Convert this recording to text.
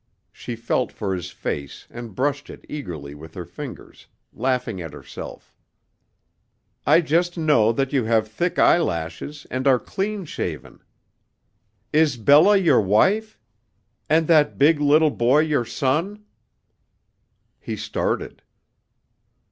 She felt for his face and brushed it eagerly with her fingers, laughing at herself. "I just know that you have thick eyelashes and are clean shaven. Is Bella your wife? And that big little boy your son?" He started.